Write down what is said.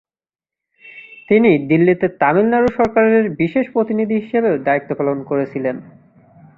তিনি দিল্লিতে তামিলনাড়ু সরকারের বিশেষ প্রতিনিধি হিসাবেও দায়িত্ব পালন করেছিলেন।